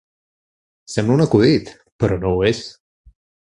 Sembla un acudit, però no ho és.